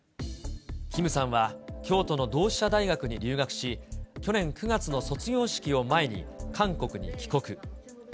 キムさんは京都の同志社大学に留学し、去年９月の卒業式を前に韓国に帰国。